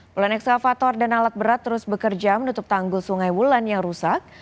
puluhan eksavator dan alat berat terus bekerja menutup tanggul sungai wulan yang rusak